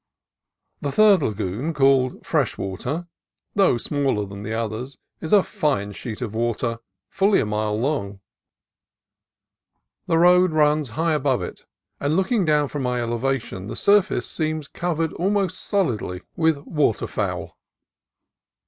The third lagoon, called Freshwater, though smaller than the others, is a fine sheet of water, fully a mile long. The road runs high above it, and look ing down from my elevation the surface seemed cov ered almost solidly with waterfowl.